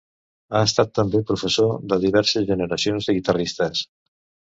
Ha estat també professor de diverses generacions de guitarristes.